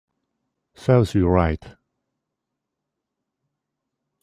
Serves you right